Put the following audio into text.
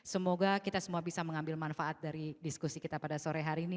semoga kita semua bisa mengambil manfaat dari diskusi kita pada sore hari ini